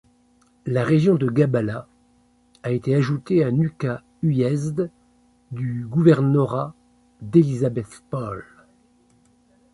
La région de Gabala a été ajoutée à Nukha uyezd du Gouvernorat d'Elisabethpol.